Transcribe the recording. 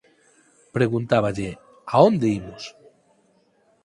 Preguntáballe: "A onde imos?".